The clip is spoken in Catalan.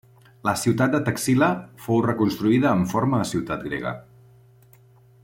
La ciutat de Taxila fou reconstruïda en forma de ciutat grega.